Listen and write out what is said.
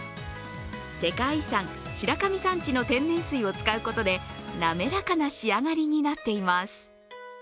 世界遺産・白神山地の天然水を使うことで滑らか仕上がりになっています。